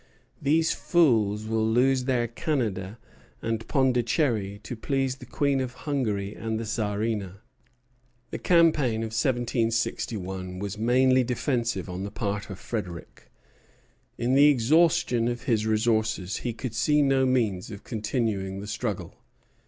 These fools will lose their Canada and Pondicherry to please the Queen of Hungary and the Czarina." The campaign of 1761 was mainly defensive on the part of Frederic. In the exhaustion of his resources he could see no means of continuing the struggle.